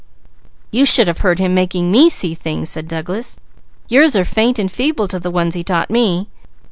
"You should have heard him making me see things!" said Douglas. "Yours are faint and feeble to the ones he taught me.